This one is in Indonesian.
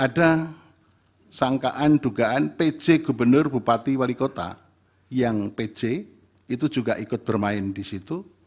ada sangkaan dugaan pj gubernur bupati wali kota yang pc itu juga ikut bermain di situ